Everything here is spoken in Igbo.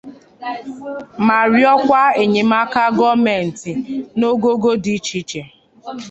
ma rịọkwa enyemaka gọọmenti n'ogoogo dị iche iche